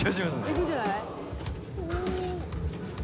いくんじゃない？